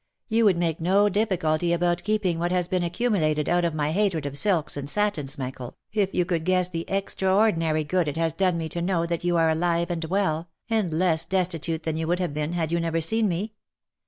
You would make no difficulty about keeping what has been accumulated out of my hatred of silks and satins, Michael, if you could guess the extraordinary good it has done me to know that you are alive and well, and less destitute than you would have been, had you never seen me.